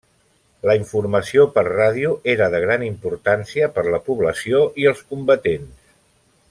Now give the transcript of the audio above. La informació per ràdio era de gran importància per la població i els combatents.